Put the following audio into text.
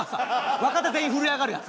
若手全員震え上がるやつ。